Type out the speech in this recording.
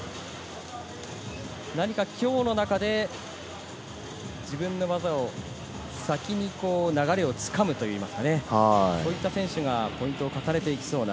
何か今日の中で、自分の技を先に流れをつかむといいますかね、そういった選手がポイントを重ねていきそうな